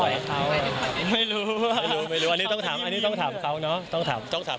อยู่จะดูเพลินเพราะเขาออกมาพูดว่า